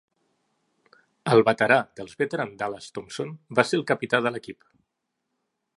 El veterà dels Veteran Dallas Thompson va ser el capità de l"equip.